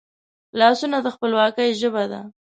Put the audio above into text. لاسونه د خپلواکي ژبه ده